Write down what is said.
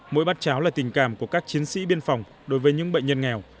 mỗi bát cháo là tình cảm của các chiến sĩ biên phòng đối với những bệnh nhân nghèo